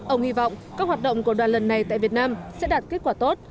ông hy vọng các hoạt động của đoàn lần này tại việt nam sẽ đạt kết quả tốt